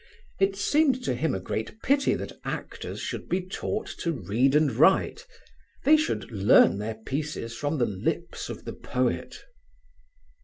It seemed to him a great pity that actors should be taught to read and write: they should learn their pieces from the lips of the poet.